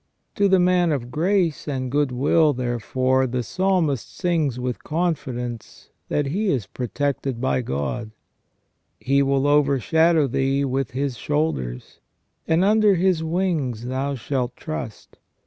To the man of grace and good will, therefore, the Psalmist sings with confidence that he is protected by God :" He will overshadow thee with His shoulders : and under His wings thou shalt trust.